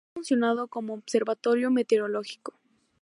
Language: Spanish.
Ha funcionado como observatorio meteorológico.